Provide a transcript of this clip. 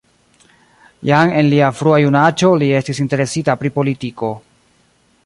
Jam en lia frua junaĝo li estis interesita pri politiko.